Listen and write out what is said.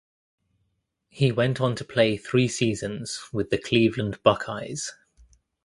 He went on to play three seasons with the Cleveland Buckeyes.